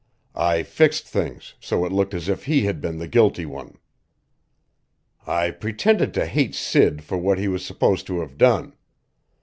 I fixed things so it looked as if he had been the guilty one. "I pretended to hate Sid for what he was supposed to have done.